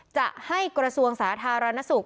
จะให้กระทรวงสาธารณสุข